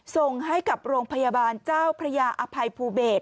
ส่งให้กับโรงพยาบาลเจ้าพระยาอภัยภูเบศ